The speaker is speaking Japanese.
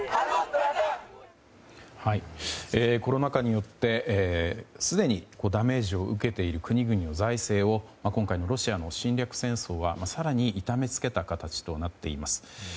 コロナ禍によってすでにダメージを受けている国々の財政を今回のロシアの侵略戦争は更に痛めつけた形となっています。